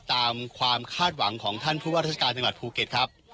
ตามความคาดหวังของท่านผู้ว่าราชการจังหวัดภูเก็ตครับ